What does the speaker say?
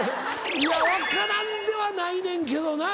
いや分からんではないねんけどな。